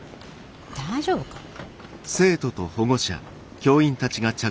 大丈夫かな。